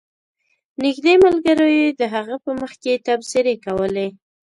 نږدې ملګرو یې د هغه په مخ کې تبصرې کولې.